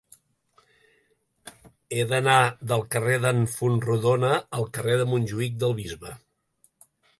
He d'anar del carrer d'en Fontrodona al carrer de Montjuïc del Bisbe.